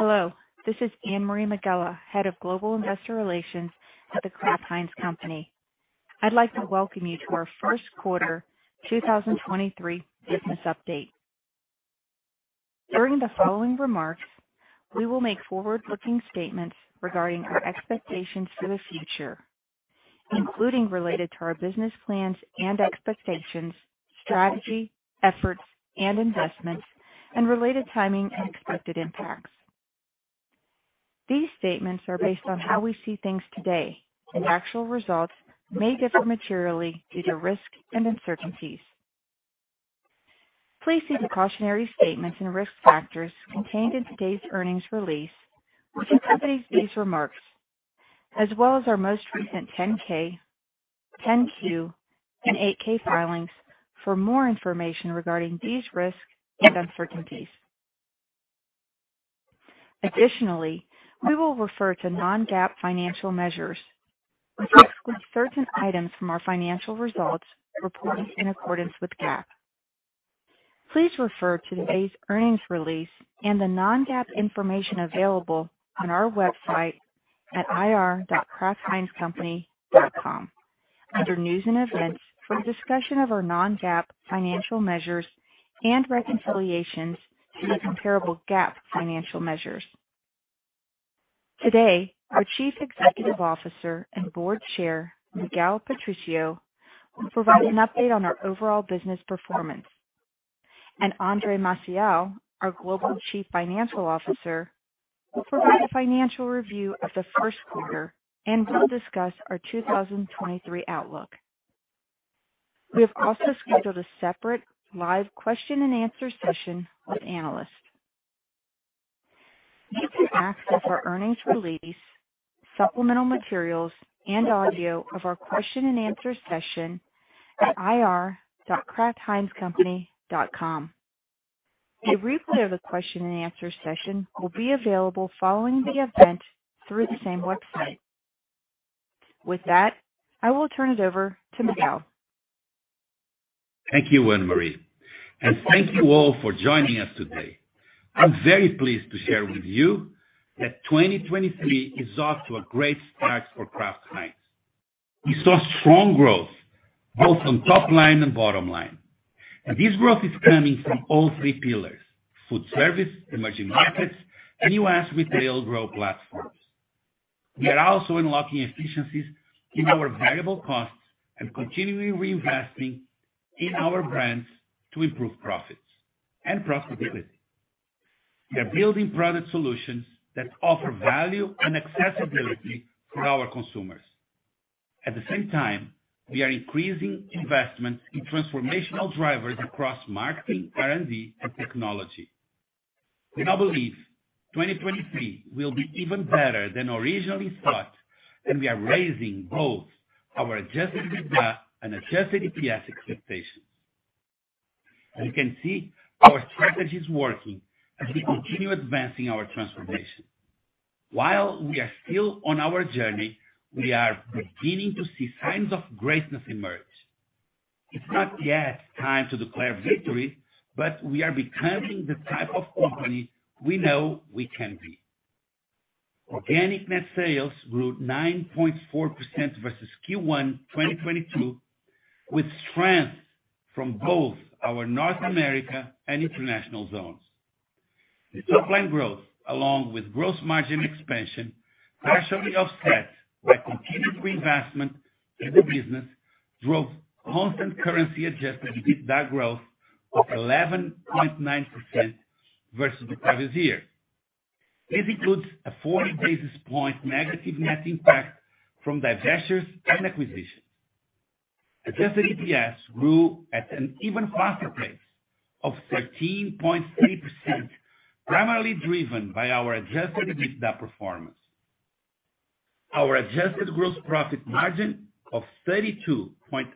Hello, this is Anne-Marie Megela, Head of Global Investor Relations at The Kraft Heinz Company. I'd like to welcome you to our first quarter 2023 business update. During the following remarks, we will make forward-looking statements regarding our expectations for the future, including related to our business plans and expectations, strategy, efforts, and investments, and related timing and expected impacts. These statements are based on how we see things today, and actual results may differ materially due to risk and uncertainties. Please see precautionary statements and risk factors contained in today's earnings release, which accompanies these remarks, as well as our most recent 10-K, 10-Q, and 8-K filings for more information regarding these risks and uncertainties. We will refer to non-GAAP financial measures, which exclude certain items from our financial results reported in accordance with GAAP. Please refer to today's earnings release and the non-GAAP information available on our website at ir.kraftheinzcompany.com under News & Events for a discussion of our non-GAAP financial measures and reconciliations to the comparable GAAP financial measures. Today, our Chief Executive Officer and Board Chair, Miguel Patricio, will provide an update on our overall business performance. Andre Maciel, our Global Chief Financial Officer, will provide a financial review of the first quarter and will discuss our 2023 outlook. We have also scheduled a separate live question-and-answer session with analysts. You can access our earnings release, supplemental materials, and audio of our question-and-answer session at ir.kraftheinzcompany.com. A replay of the question-and-answer session will be available following the event through the same website. With that, I will turn it over to Miguel. Thank you, Anne Marie. Thank you all for joining us today. I'm very pleased to share with you that 2023 is off to a great start for Kraft Heinz. We saw strong growth both on top line and bottom line. This growth is coming from all three pillars: food service, emerging markets, and U.S. retail growth platforms. We are also unlocking efficiencies in our variable costs and continuing reinvesting in our brands to improve profits and profitability. We are building product solutions that offer value and accessibility for our consumers. At the same time, we are increasing investment in transformational drivers across marketing, R&D, and technology. We now believe 2023 will be even better than originally thought, and we are raising both our adjusted EBITDA and adjusted EPS expectations. You can see our strategy is working as we continue advancing our transformation. While we are still on our journey, we are beginning to see signs of greatness emerge. It's not yet time to declare victory. We are becoming the type of company we know we can be. Organic net sales grew 9.4% versus Q1 2022, with strength from both our North America and international zones. The top line growth, along with gross margin expansion, partially offset by continued reinvestment in the business, drove constant currency adjusted EBITDA growth of 11.9% versus the previous year. This includes a 40 basis point negative net impact from divestitures and acquisitions. Adjusted EPS grew at an even faster pace of 13.3%, primarily driven by our adjusted EBITDA performance. Our adjusted gross profit margin of 32.8%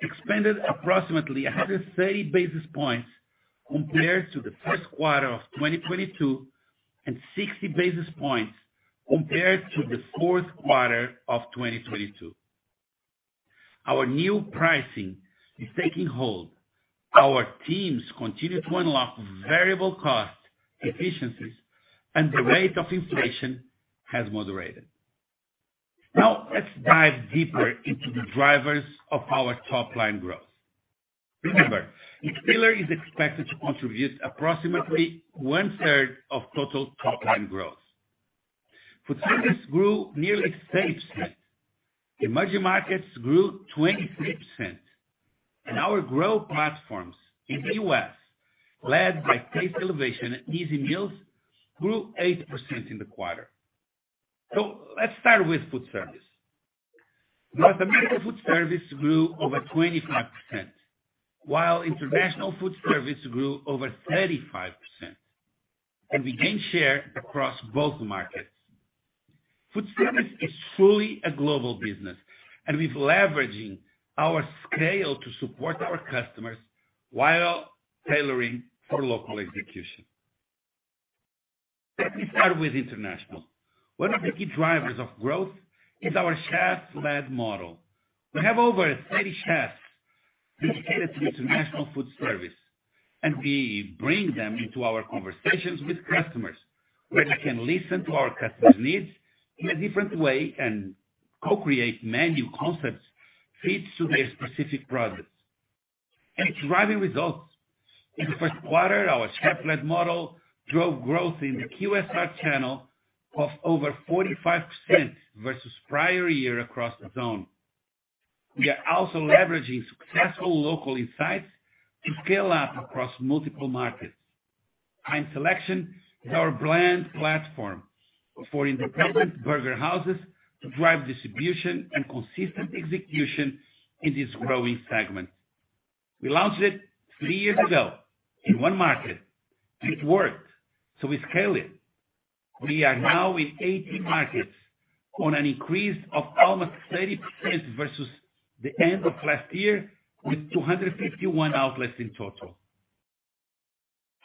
expanded approximately 130 basis points compared to the first quarter of 2022, and 60 basis points compared to the fourth quarter of 2022. Our new pricing is taking hold. Our teams continue to unlock variable cost efficiencies, and the rate of inflation has moderated. Let's dive deeper into the drivers of our top line growth. Remember, each pillar is expected to contribute approximately 1/3 of total top line growth. Foodservice grew nearly 6%. Emerging markets grew 23%. Our grow platforms in U.S., led by taste elevation and easy meals, grew 8% in the quarter. Let's start with foodservice. North America foodservice grew over 25%, while international foodservice grew over 35%, and we gained share across both markets. Foodservice is truly a global business, and we're leveraging our scale to support our customers while tailoring for local execution. Let me start with international. One of the key drivers of growth is our chef-led model. We have over 30 chefs dedicated to international foodservice, and we bring them into our conversations with customers, where they can listen to our customers' needs in a different way and co-create menu concepts fits to their specific products. It's driving results. In the first quarter, our chef-led model drove growth in the QSR channel of over 45% versus prior year across the zone. We are also leveraging successful local insights to scale up across multiple markets. Heinz Selection is our brand platform for independent burger houses to drive distribution and consistent execution in this growing segment. We launched it 3 years ago in 1 market, and it worked, so we scaled it. We are now in 80 markets on an increase of almost 30% versus the end of last year, with 251 outlets in total.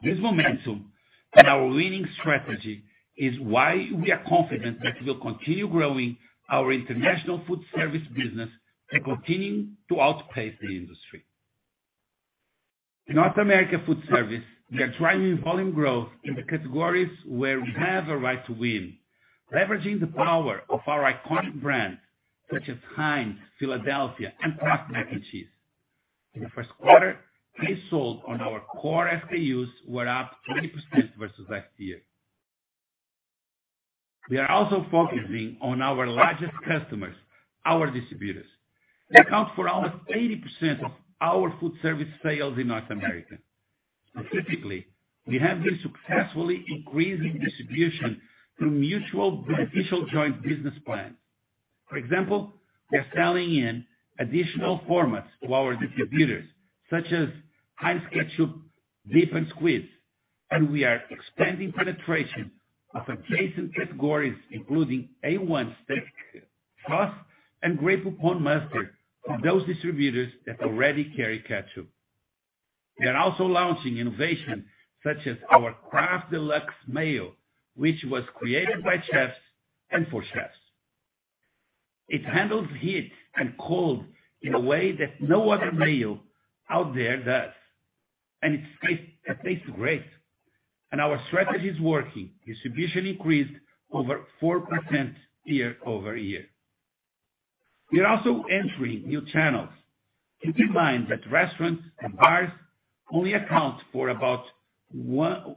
This momentum and our winning strategy is why we are confident that we'll continue growing our international food service business and continuing to outpace the industry. In North America food service, we are driving volume growth in the categories where we have a right to win, leveraging the power of our iconic brands such as Heinz, Philadelphia, and Kraft Mac & Cheese. In the first quarter, days sold on our core SKUs were up 20% versus last year. We are also focusing on our largest customers, our distributors. They account for almost 80% of our food service sales in North America. Specifically, we have been successfully increasing distribution through mutual beneficial joint business plans. For example, we are selling in additional formats to our distributors, such as Heinz Ketchup Dip & Squeeze, and we are extending penetration of adjacent categories, including A.1. Steak Sauce and Grey Poupon Mustard for those distributors that already carry ketchup. We are also launching innovation such as our Kraft Deluxe Mayo, which was created by chefs and for chefs. It handles heat and cold in a way that no other mayo out there does, and it tastes great. Our strategy is working. Distribution increased over 4% year-over-year. We are also entering new channels. Keep in mind that restaurants and bars only account for about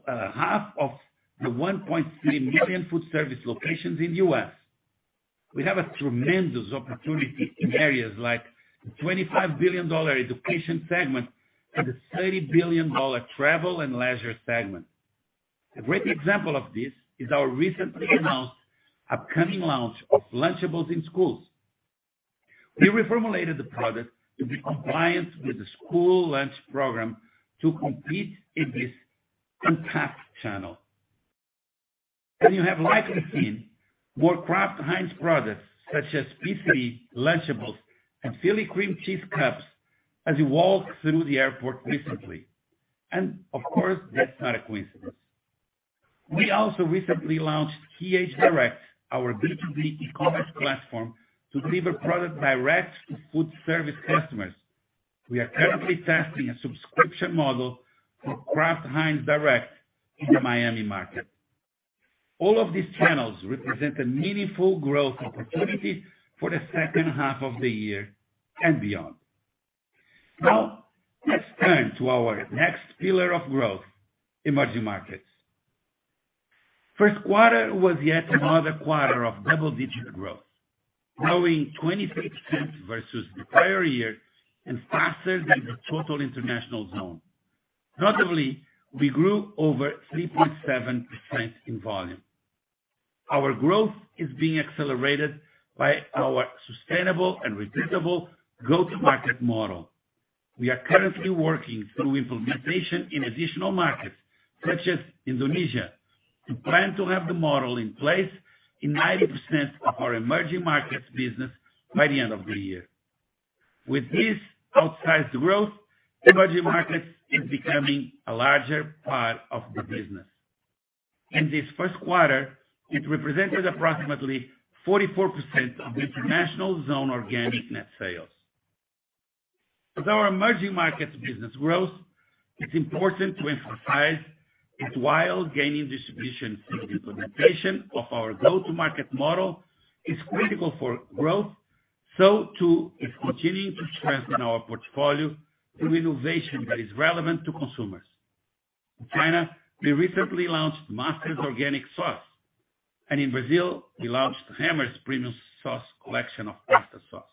half of the 1.3 million food service locations in U.S. We have a tremendous opportunity in areas like the $25 billion education segment and the $30 billion travel and leisure segment. A great example of this is our recently announced upcoming launch of Lunchables in schools. We reformulated the product to be compliant with the school lunch program to compete in this untapped channel. You have likely seen more Kraft Heinz products such as BC Lunchables and Philly Cream Cheese Cups as you walk through the airport recently. Of course, that's not a coincidence. We also recently launched KH Direct, our B2B e-commerce platform, to deliver product direct to food service customers. We are currently testing a subscription model for Kraft Heinz Direct in the Miami market. All of these channels represent a meaningful growth opportunity for the second half of the year and beyond. Let's turn to our next pillar of growth, emerging markets. First quarter was yet another quarter of double-digit growth, growing 23% versus the prior year and faster than the total international zone. Notably, we grew over 3.7% in volume. Our growth is being accelerated by our sustainable and repeatable go-to-market model. We are currently working through implementation in additional markets such as Indonesia, and plan to have the model in place in 90% of our emerging markets business by the end of the year. With this outsized growth, emerging markets is becoming a larger part of the business. In this first quarter, it represented approximately 44% of international zone organic net sales. As our emerging markets business grows, it's important to emphasize that while gaining distribution through the implementation of our go-to-market model is critical for growth, so too is continuing to strengthen our portfolio through innovation that is relevant to consumers. In China, we recently launched Masterstar Organic Sauce, and in Brazil, we launched Heinz Premium Sauce collection of pasta sauce.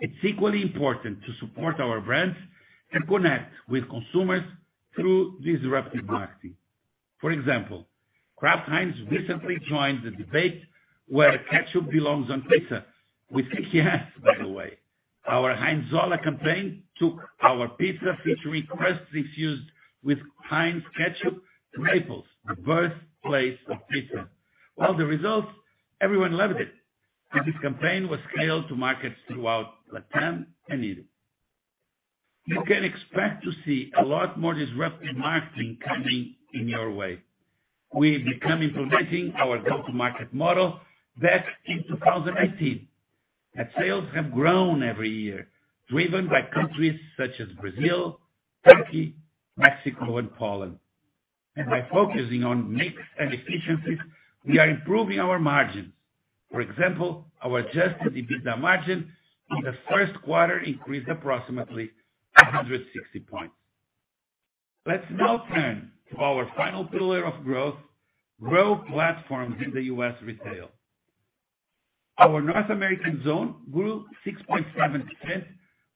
It's equally important to support our brands and connect with consumers through disruptive marketing. For example, Kraft Heinz recently joined the debate where ketchup belongs on pizza with by the way. Our Heinzola campaign took our pizza pizzeria crust infused with Heinz ketchup to Naples, the birthplace of pizza. Well, the results, everyone loved it. This campaign was scaled to markets throughout LATAM and EU. You can expect to see a lot more disruptive marketing coming in your way. We began implementing our go-to-market model back in 2018, and sales have grown every year, driven by countries such as Brazil, Turkey, Mexico, and Poland. By focusing on mix and efficiencies, we are improving our margins. For example, our adjusted EBITDA margin in the first quarter increased approximately 160 points. Let's now turn to our final pillar of growth, Grow platforms in the U.S. retail. Our North American zone grew 6.7%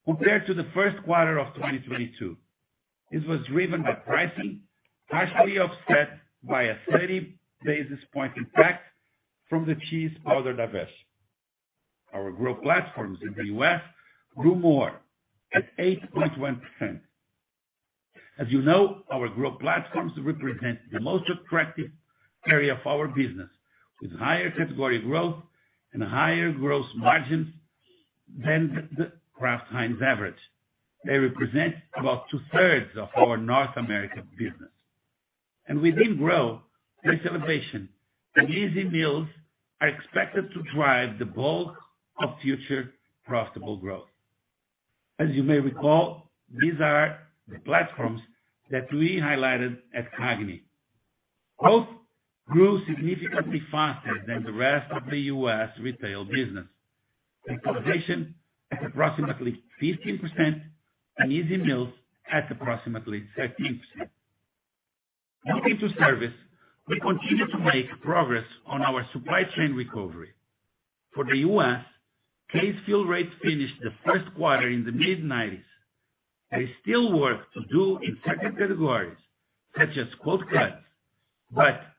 compared to the first quarter of 2022. This was driven by pricing, partially offset by a 30 basis point impact from the cheese powder divestment. Our Grow platforms in the U.S. grew more at 8.1%. As you know, our Grow platforms represent the most attractive area of our business, with higher category growth and higher gross margins than the Kraft Heinz average. They represent about 2/3 of our North American business. Within Grow, case innovation and easy meals are expected to drive the bulk of future profitable growth. As you may recall, these are the platforms that we highlighted at CAGNY. Both grew significantly faster than the rest of the U.S. retail business. Case innovation at approximately 15% and easy meals at approximately 13%. Moving to service, we continue to make progress on our supply chain recovery. For the U.S., case fill rates finished the first quarter in the mid-90s. There is still work to do in certain categories, such as cold cuts.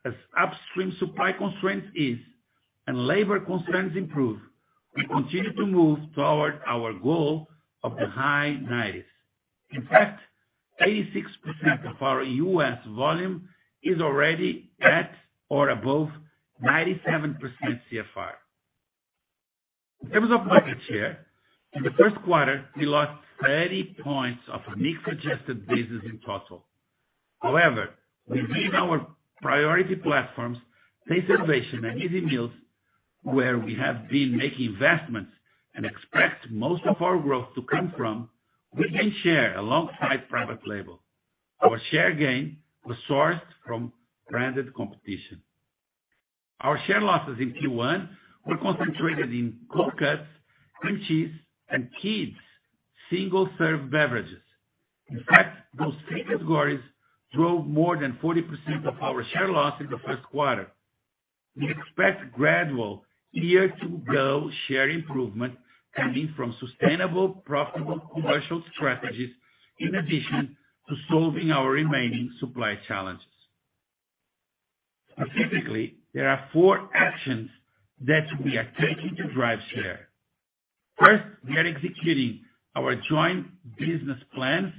As upstream supply constraints ease and labor constraints improve, we continue to move toward our goal of the high 90s. In fact, 86% of our U.S. volume is already at or above 97% CFR. In terms of market share, in the first quarter, we lost 30 points of mixed adjusted basis in total. However, within our priority platforms, case innovation and easy meals, where we have been making investments and expect most of our growth to come from, we gain share alongside private label. Our share gain was sourced from branded competition. Our share losses in Q1 were concentrated in cold cuts, cream cheese, and kids' single-serve beverages. In fact, those three categories drove more than 40% of our share loss in the first quarter. We expect gradual year-to-go share improvement coming from sustainable, profitable commercial strategies, in addition to solving our remaining supply challenges. Specifically, there are four actions that we are taking to drive share. First, we are executing our joint business plans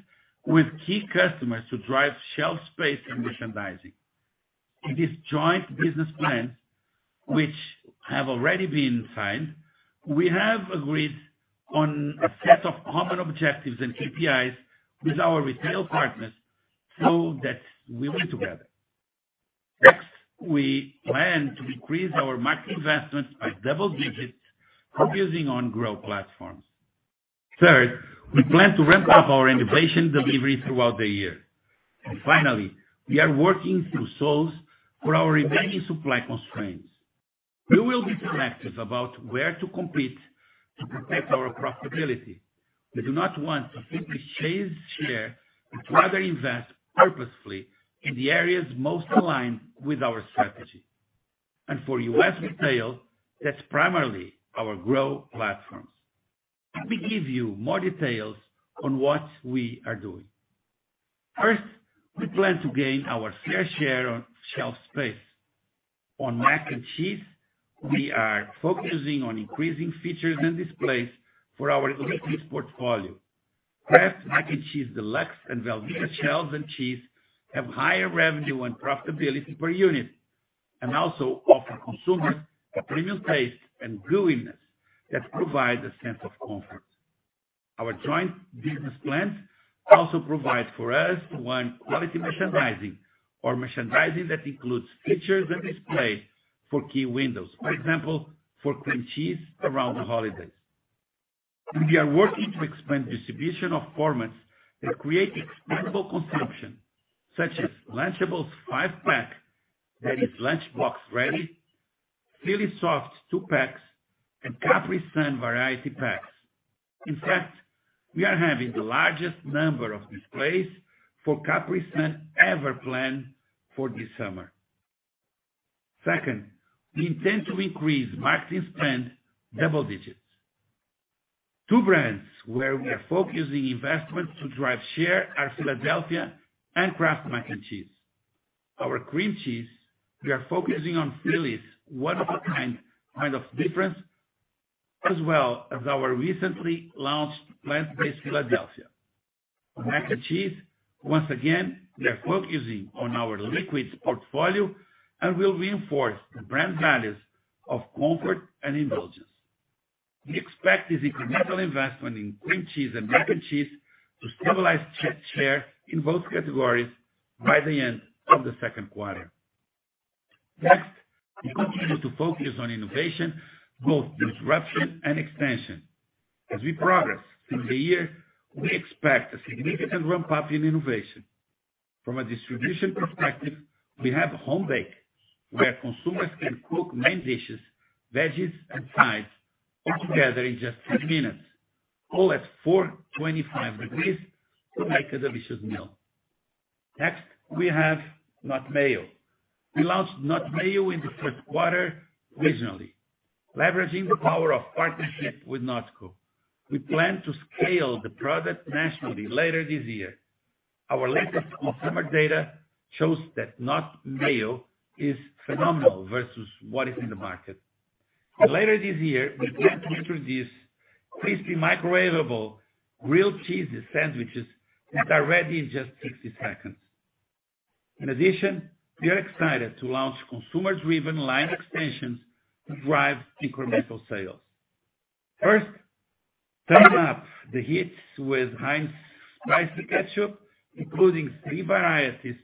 with key customers to drive shelf space and merchandising. In these joint business plans, which have already been signed, we have agreed on a set of common objectives and KPIs with our retail partners so that we win together. We plan to increase our market investments by double digits, focusing on Grow platforms. Third, we plan to ramp up our innovation delivery throughout the year. Finally, we are working through solves for our remaining supply constraints. We will be selective about where to compete to protect our profitability. We do not want to simply chase share, but rather invest purposefully in the areas most aligned with our strategy. For U.S. Retail, that's primarily our Grow platforms. Let me give you more details on what we are doing. First, we plan to gain our fair share of shelf space. On mac and cheese, we are focusing on increasing features and displays for our liquids portfolio. Kraft Mac & Cheese Deluxe and Velveeta Shells & Cheese have higher revenue and profitability per unit, and also offer consumers a premium taste and gooeyness that provides a sense of comfort. Our joint business plans also provide for us one quality merchandising or merchandising that includes features and displays for key windows. For example, for cream cheese around the holidays. We are working to expand distribution of formats that create expendable consumption, such as Lunchables 5-pack that is lunchbox ready, Philadelphia Soft 2-packs, and Capri Sun variety packs. In fact, we are having the largest number of displays for Capri Sun ever planned for this summer. Second, we intend to increase marketing spend double digits. Two brands where we are focusing investment to drive share are Philadelphia and Kraft Mac & Cheese. Our cream cheese, we are focusing on Philly's one-of-a-kind kind of difference, as well as our recently launched Philadelphia Plant-Based. Mac & Cheese, once again, we are focusing on our liquids portfolio and will reinforce the brand values of comfort and indulgence. We expect this incremental investment in cream cheese and American cheese to stabilize share in both categories by the end of the second quarter. Next, we continue to focus on innovation, both disruption and expansion. As we progress through the year, we expect a significant ramp-up in innovation. From a distribution perspective, we have Homebake, where consumers can cook main dishes, veggies, and sides all together in just 10 minutes, all at 425 degrees to make a delicious meal. Next, we have NotMayo. We launched NotMayo in the first quarter regionally, leveraging the power of partnership with NotCo. We plan to scale the product nationally later this year. Our latest consumer data shows that NotMayo is phenomenal versus what is in the market. Later this year, we plan to introduce crispy, microwavable grilled cheese sandwiches that are ready in just 60 seconds. In addition, we are excited to launch consumer-driven line extensions to drive incremental sales. First, turn up the heat with Heinz Spicy Ketchup, including 3 varieties,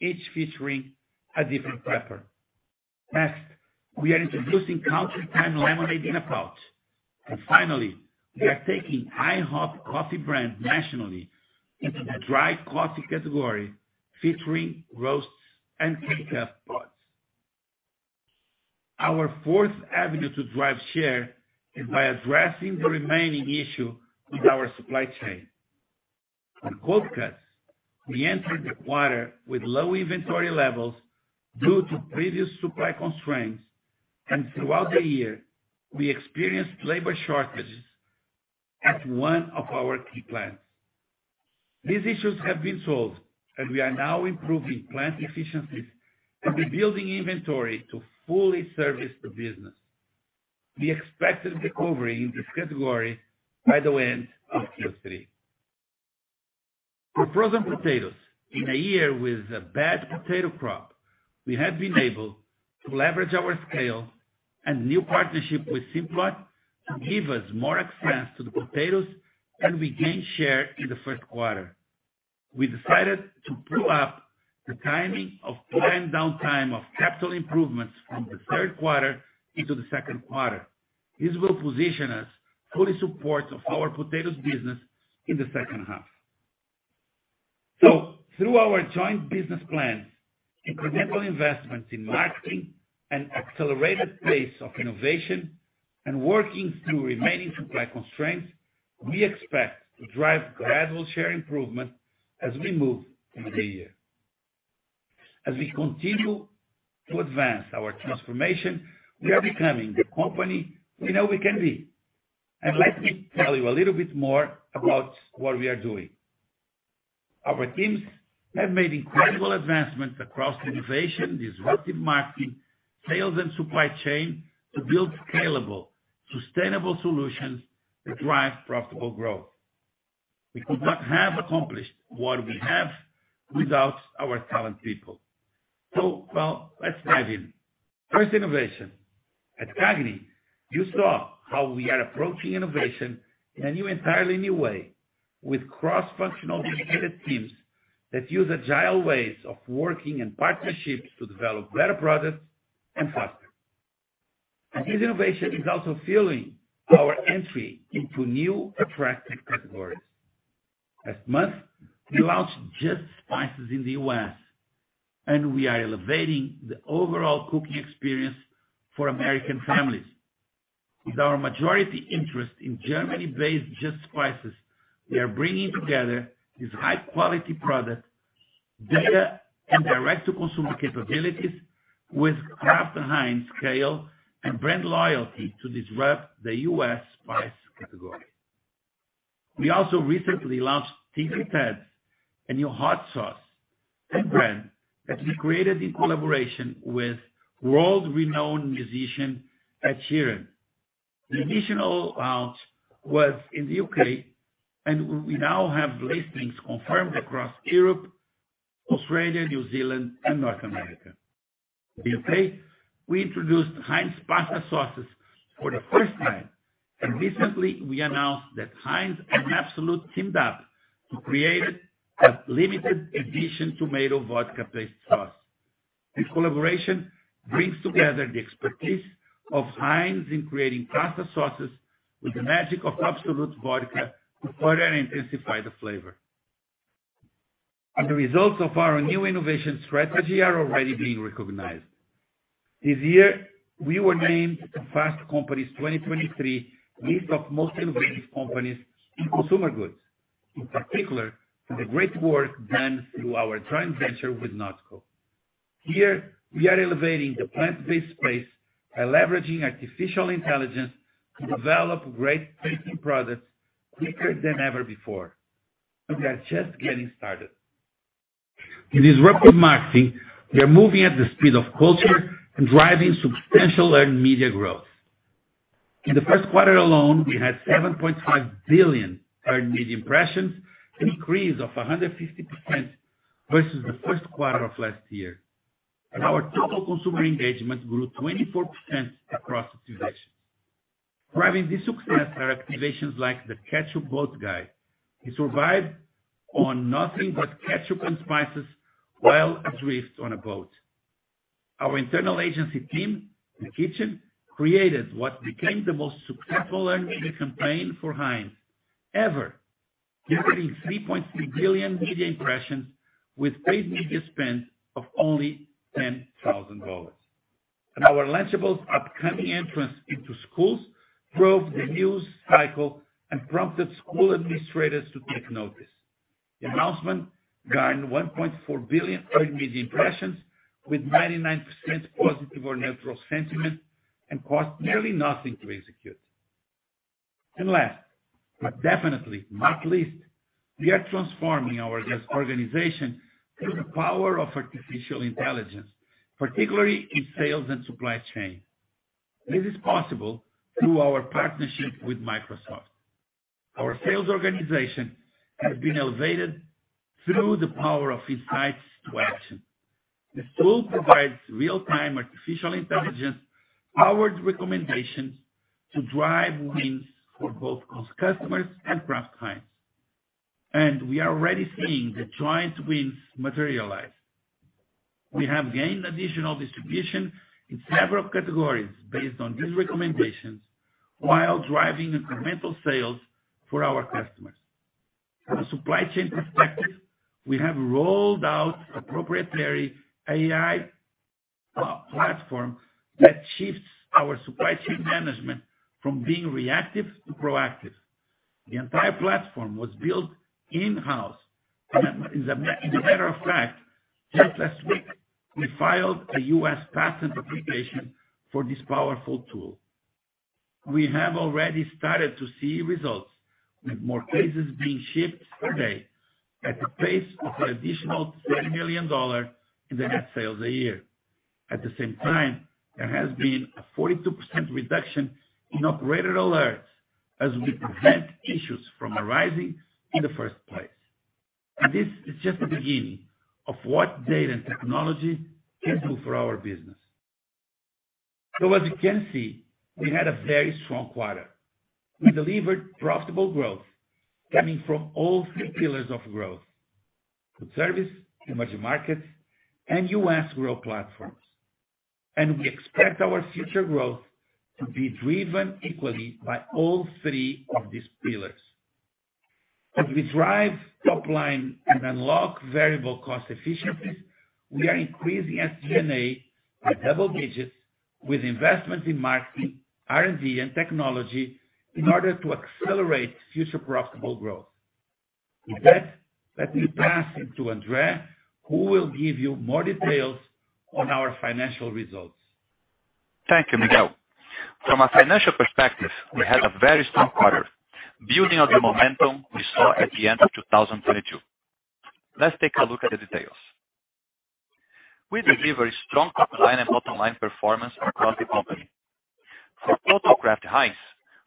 each featuring a different pepper. Next, we are introducing Country Time lemonade in a pouch. Finally, we are taking IHOP coffee brand nationally into the dry coffee category, featuring roasts and K-Cup pods. Our fourth avenue to drive share is by addressing the remaining issue with our supply chain. On cold cuts, we entered the quarter with low inventory levels due to previous supply constraints, and throughout the year, we experienced labor shortages at one of our key plants. These issues have been solved, and we are now improving plant efficiencies and rebuilding inventory to fully service the business. We expect a recovery in this category by the end of Q3. For frozen potatoes, in a year with a bad potato crop, we have been able to leverage our scale and new partnership with Simplot to give us more access to the potatoes, and we gained share in the first quarter. We decided to pull up the timing of plan downtime of capital improvements from the third quarter into the second quarter. This will position us full support of our potatoes business in the second half. Through our joint business plans, incremental investments in marketing, an accelerated pace of innovation, and working through remaining supply constraints, we expect to drive gradual share improvement as we move through the year. As we continue to advance our transformation, we are becoming the company we know we can be. And let me tell you a little bit more about what we are doing. Our teams have made incredible advancements across innovation, disruptive marketing, sales, and supply chain to build scalable, sustainable solutions that drive profitable growth. We could not have accomplished what we have without our talent people. Well, let's dive in. First, innovation. At CAGNY, you saw how we are approaching innovation in a new, entirely new way, with cross-functional, distributed teams that use agile ways of working and partnerships to develop better products and faster. This innovation is also fueling our entry into new attractive categories. Last month, we launched Just Spices in the U.S., and we are elevating the overall cooking experience for American families. With our majority interest in Germany-based Just Spices, we are bringing together this high-quality product data and direct-to-consumer capabilities with Kraft Heinz scale and brand loyalty to disrupt the U.S. spice category. We also recently launched Tingly Ted's, a new hot sauce and brand that we created in collaboration with world-renowned musician, Ed Sheeran. The initial launch was in the U.K., and we now have listings confirmed across Europe, Australia, New Zealand, and North America. In the U.K., we introduced Heinz pasta sauces for the first time, and recently, we announced that Heinz and Absolut teamed up to create a limited edition tomato vodka pasta sauce. This collaboration brings together the expertise of Heinz in creating pasta sauces with the magic of Absolut Vodka to further intensify the flavor. The results of our new innovation strategy are already being recognized. This year, we were named the Fast Company's 2023 List of Most Innovative Companies in Consumer Goods, in particular, for the great work done through our joint venture with NotCo. Here, we are elevating the plant-based space by leveraging artificial intelligence to develop great-tasting products quicker than ever before. We are just getting started. In disruptive marketing, we are moving at the speed of culture and driving substantial earned media growth. In the first quarter alone, we had 7.5 billion earned media impressions, an increase of 150% versus the first quarter of last year. Our total consumer engagement grew 24% across situations. Driving this success are activations like the ketchup boat guy. He survived on nothing but ketchup and spices while adrift on a boat. Our internal agency team, The Kitchen, created what became the most successful earned media campaign for Heinz ever, generating $3.3 billion media impressions with paid media spend of only $10,000. Our Lunchables upcoming entrance into schools drove the news cycle and prompted school administrators to take notice. The announcement gained $1.4 billion earned media impressions with 99% positive or neutral sentiment and cost nearly nothing to execute. Last, but definitely not least, we are transforming our guest organization through the power of artificial intelligence, particularly in sales and supply chain. This is possible through our partnership with Microsoft. Our sales organization has been elevated through the power of Insights to Action. This tool provides real-time artificial intelligence powered recommendations to drive wins for both customers and Kraft Heinz. We are already seeing the joint wins materialize. We have gained additional distribution in several categories based on these recommendations while driving incremental sales for our customers. From a supply chain perspective, we have rolled out a proprietary AI platform that shifts our supply chain management from being reactive to proactive. The entire platform was built in-house. As a matter of fact, just last week, we filed a U.S. patent application for this powerful tool. We have already started to see results with more cases being shipped per day at the pace of an additional $10 million in the net sales a year. At the same time, there has been a 42% reduction in operator alerts as we prevent issues from arising in the first place. This is just the beginning of what data and technology can do for our business. As you can see, we had a very strong quarter. We delivered profitable growth coming from all three pillars of growth: food service, emerging markets, and US growth platforms. We expect our future growth to be driven equally by all three of these pillars. As we drive top line and unlock variable cost efficiencies, we are increasing SG&A by double digits with investments in marketing, R&D, and technology in order to accelerate future profitable growth. With that, let me pass it to Andre, who will give you more details on our financial results. Thank you, Miguel. From a financial perspective, we had a very strong quarter, building on the momentum we saw at the end of 2022. Let's take a look at the details. We delivered strong top line and bottom line performance across the company. For total Kraft Heinz,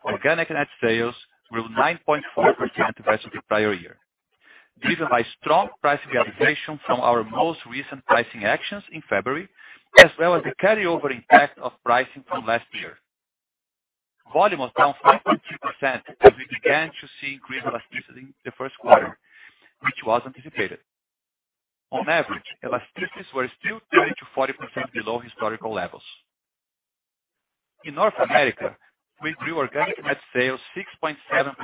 organic net sales grew 9.4% versus the prior year, driven by strong price realization from our most recent pricing actions in February, as well as the carryover impact of pricing from last year. Volume was down 5.2% as we began to see increased elasticity in the first quarter, which was anticipated. On average, elasticities were still 30%-40% below historical levels. In North America, we grew organic net sales 6.7%.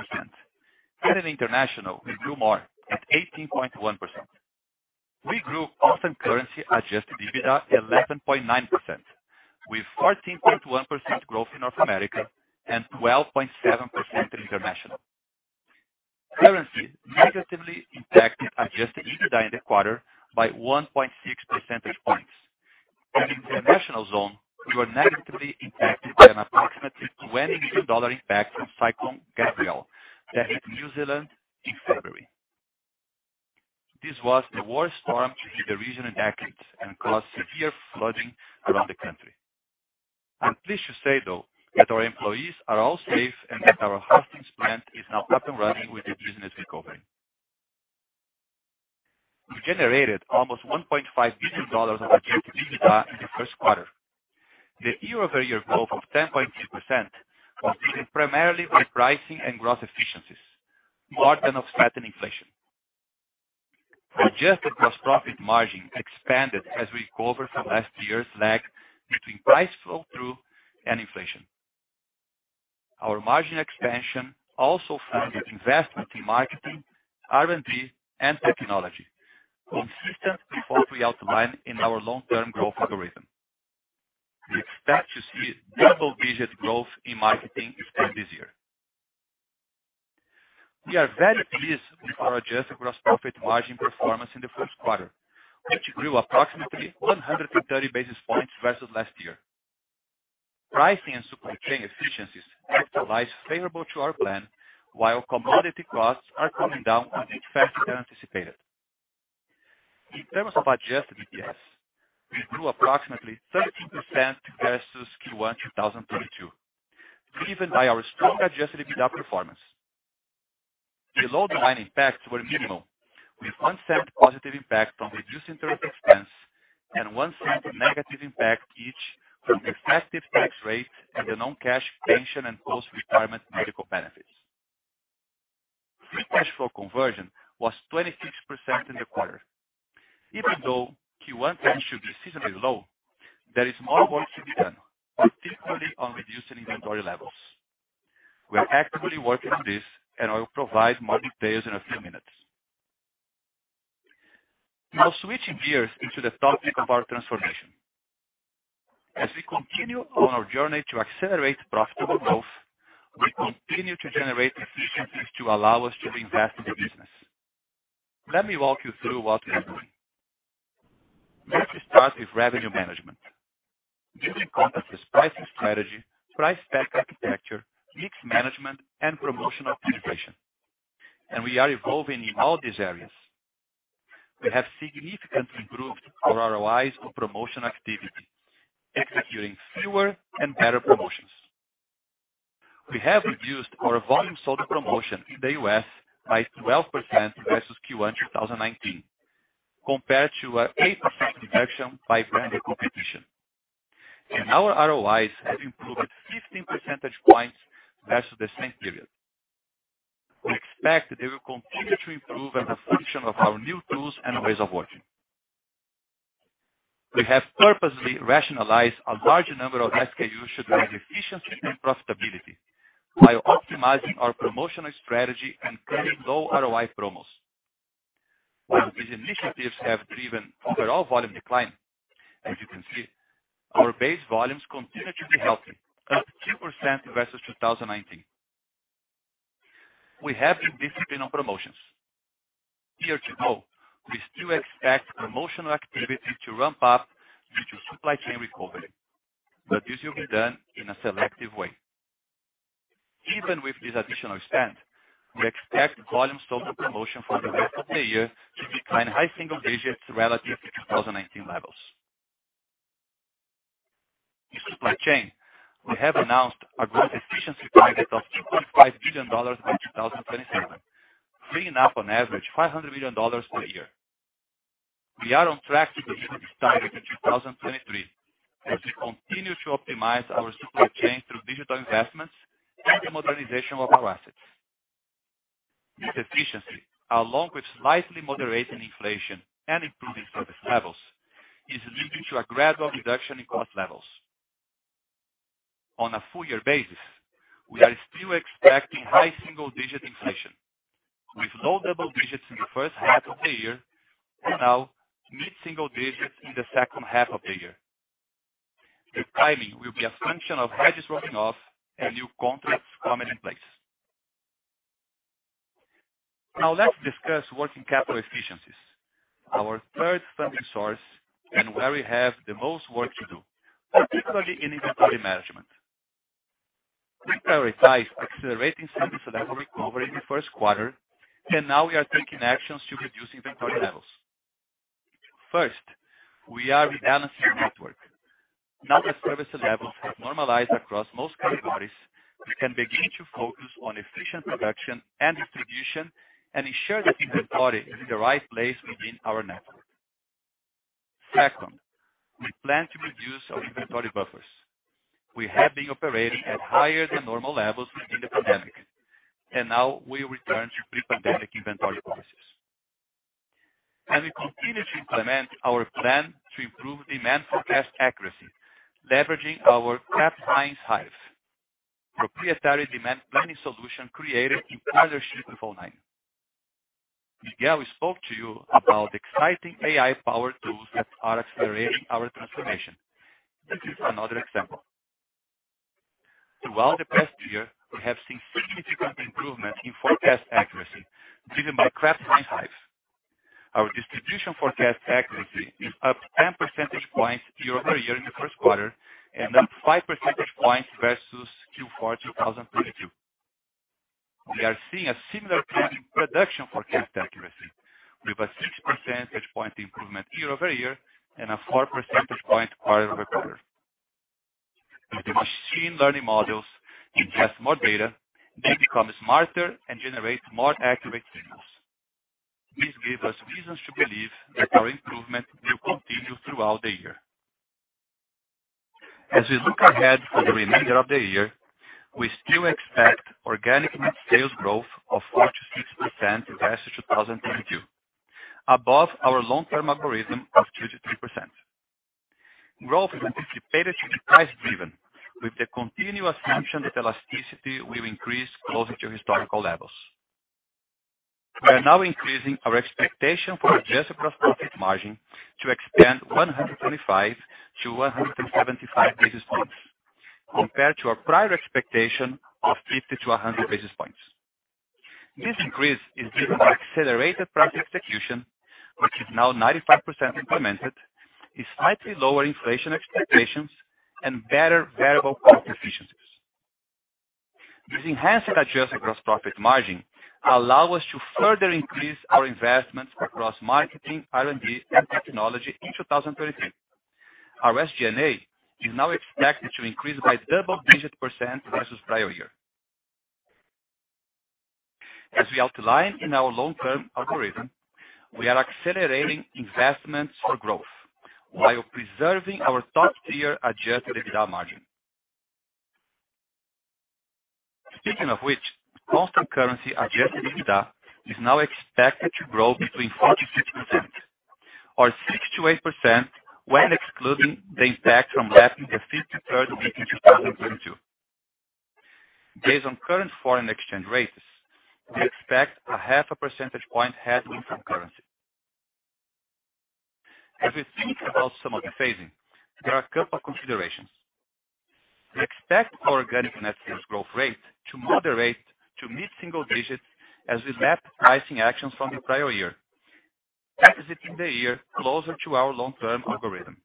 In international, we grew more at 18.1%. We grew constant currency adjusted EBITDA 11.9%, with 14.1% growth in North America and 12.7% international. Currency negatively impacted adjusted EBITDA in the quarter by 1.6 percentage points. In the international zone, we were negatively impacted by an approximately $20 million impact from Cyclone Gabrielle that hit New Zealand in February. This was the worst storm to hit the region in decades and caused severe flooding around the country. I'm pleased to say, though, that our employees are all safe and that our Hastings plant is now up and running with the business recovering. We generated almost $1.5 billion of adjusted EBITDA in the first quarter. The year-over-year growth of 10.2% was driven primarily by pricing and gross efficiencies more than offsetting inflation. Adjusted gross profit margin expanded as we recovered from last year's lag between price flow-through and inflation. Our margin expansion also funded investment in marketing, R&D, and technology, consistent with what we outlined in our long-term growth algorithm. We expect to see double-digit growth in marketing this year. We are very pleased with our adjusted gross profit margin performance in the first quarter, which grew approximately 130 basis points versus last year. Pricing and supply chain efficiencies actualized favorable to our plan, while commodity costs are coming down a bit faster than anticipated. In terms of adjusted EPS, we grew approximately 13% versus Q1 2022, driven by our strong adjusted EBITDA performance. The low demand impacts were minimal, with $0.01 positive impact from reduced interest expense and $0.01 negative impact each from effective tax rate and the non-cash pension and post-retirement medical benefits. Free cash flow conversion was 26% in the quarter. Even though Q1 cash should be seasonally low, there is more work to be done, particularly on reducing inventory levels. We are actively working on this, and I will provide more details in a few minutes. Now switching gears into the topic of our transformation. As we continue on our journey to accelerate profitable growth, we continue to generate efficiencies to allow us to reinvest in the business. Let me walk you through what we are doing. Let's start with revenue management. This encompasses pricing strategy, price stack architecture, mix management, and promotional integration, and we are evolving in all these areas. We have significantly improved our ROIs on promotion activity, executing fewer and better promotions. We have reduced our volume sold to promotion in the U.S. by 12% versus Q1 2019, compared to an 8% reduction by branded competition. Our ROIs have improved 15 percentage points versus the same period. We expect they will continue to improve as a function of our new tools and ways of working. We have purposely rationalized a large number of SKUs to drive efficiency and profitability while optimizing our promotional strategy and cutting low ROI promos. While these initiatives have driven overall volume decline, as you can see, our base volumes continued to be healthy, up 2% versus 2019. We have been disciplined on promotions. Year to know, we still expect promotional activity to ramp up due to supply chain recovery, but this will be done in a selective way. Even with this additional spend, we expect volumes sold to promotion for the rest of the year to decline high single digits relative to 2019 levels. In supply chain, we have announced a gross efficiency target of $2.5 billion by 2027, freeing up on average $500 million per year. We are on track to achieve this target in 2023 as we continue to optimize our supply chain through digital investments and the modernization of our assets. This efficiency, along with slightly moderating inflation and improving service levels, is leading to a gradual reduction in cost levels. On a full year basis, we are still expecting high single-digit inflation, with low double digits in the first half of the year and now mid-single digits in the second half of the year. The timing will be a function of hedges working off and new contracts coming in place. Let's discuss working capital efficiencies, our third funding source and where we have the most work to do, particularly in inventory management. We prioritized accelerating service level recovery in the first quarter, we are taking actions to reduce inventory levels. First, we are rebalancing the network. Now that service levels have normalized across most categories, we can begin to focus on efficient production and distribution and ensure that inventory is in the right place within our network. Second, we plan to reduce our inventory buffers. We have been operating at higher than normal levels during the pandemic, we return to pre-pandemic inventory policies. As we continue to implement our plan to improve demand forecast accuracy, leveraging our Capline Hive proprietary demand planning solution created in partnership with o9 Solutions. Miguel spoke to you about exciting AI power tools that are accelerating our transformation. This is another example. Throughout the past year, we have seen significant improvement in forecast accuracy driven by Capline Hive. Our distribution forecast accuracy is up 10 percentage points year-over-year in the first quarter and up 5 percentage points versus Q4 2022. We are seeing a similar trend in production forecast accuracy with a 60 percentage point improvement year-over-year and a 4 percentage point quarter-over-quarter. As the machine learning models ingest more data, they become smarter and generate more accurate signals. This gives us reasons to believe that our improvement will continue throughout the year. As we look ahead for the remainder of the year, we still expect organic net sales growth of 4%-6% versus 2022, above our long-term algorithm of 2%-3%. Growth is anticipated to be price driven with the continuous assumption that elasticity will increase closer to historical levels. We are now increasing our expectation for adjusted gross profit margin to expand 125-175 basis points compared to our prior expectation of 50-100 basis points. This increase is driven by accelerated price execution, which is now 95% implemented, is slightly lower inflation expectations, and better variable cost efficiency. This enhanced adjusted gross profit margin allow us to further increase our investments across marketing, R&D, and technology in 2023. Our SG&A is now expected to increase by double digit percent versus prior year. As we outlined in our long-term algorithm, we are accelerating investments for growth while preserving our top-tier adjusted EBITDA margin. Speaking of which, constant currency adjusted EBITDA is now expected to grow between 4%-6% or 6%-8% when excluding the impact from lacking the 53rd week in 2022. Based on current foreign exchange rates, we expect a 0.5 percentage point headwind from currency. As we think about some of the phasing, there are a couple considerations. We expect our organic net sales growth rate to moderate to mid-single digits as we map pricing actions from the prior year, exiting the year closer to our long-term algorithm.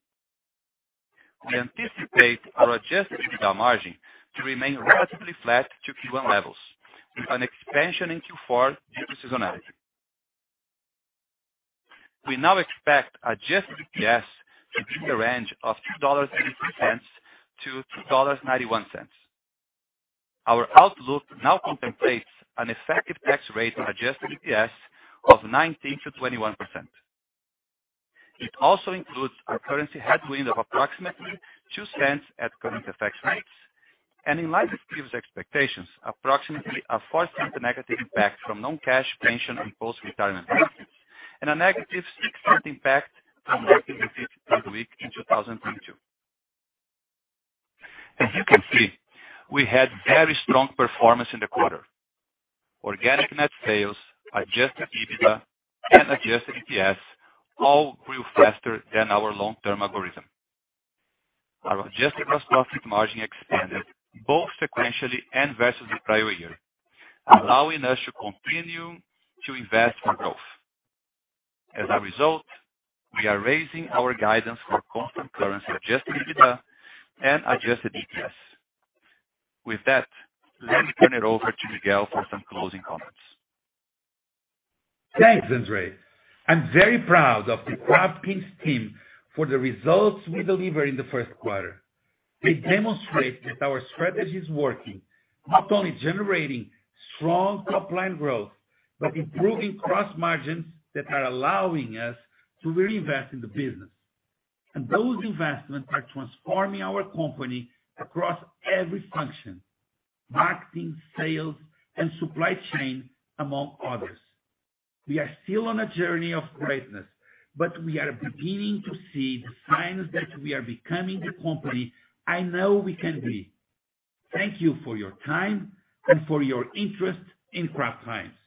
We anticipate our adjusted EBITDA margin to remain relatively flat to Q1 levels, with an expansion in Q4 due to seasonality. We now expect adjusted EPS to be a range of $2.03-$2.91. Our outlook now contemplates an effective tax rate on adjusted EPS of 19%-21%. It also includes a currency headwind of approximately $0.02 at current FX rates. In light of previous expectations, approximately a $0.04 negative impact from non-cash pension and post-retirement benefits, and a negative $0.06 impact from lacking the 53rd week in 2022. As you can see, we had very strong performance in the quarter. Organic net sales, adjusted EBITDA, and adjusted EPS all grew faster than our long-term algorithm. Our adjusted gross profit margin expanded both sequentially and versus the prior year, allowing us to continue to invest for growth. As a result, we are raising our guidance for constant currency adjusted EBITDA and adjusted EPS. With that, let me turn it over to Miguel for some closing comments. Thanks, Andre. I'm very proud of The Kraft Heinz Company team for the results we delivered in the first quarter. They demonstrate that our strategy is working, not only generating strong top-line growth, but improving gross margins that are allowing us to reinvest in the business. Those investments are transforming our company across every function: marketing, sales, and supply chain, among others. We are still on a journey of greatness, but we are beginning to see the signs that we are becoming the company I know we can be. Thank you for your time and for your interest in The Kraft Heinz Company.